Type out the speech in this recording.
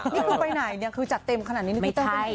นี่คุณไปไหนจัดเต็มขนาดนี้นึกว่าพี่เต้วไปไหน